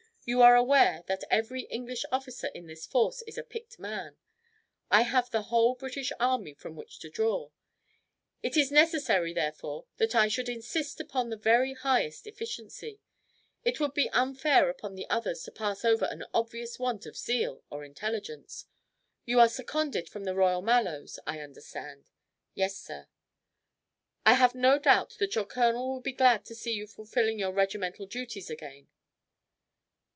You are aware that every English officer in this force is a picked man. I have the whole British army from which to draw. It is necessary, therefore, that I should insist upon the very highest efficiency. It would be unfair upon the others to pass over any obvious want of zeal or intelligence. You are seconded from the Royal Mallows, I understand?" "Yes, sir." "I have no doubt that your colonel will be glad to see you fulfilling your regimental duties again."